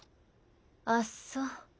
あっそ。